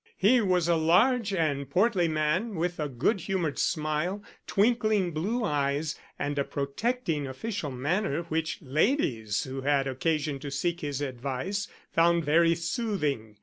He was a large and portly man with a good humoured smile, twinkling blue eyes, and a protecting official manner which ladies who had occasion to seek his advice found very soothing.